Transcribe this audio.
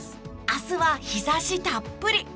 明日は日差したっぷり！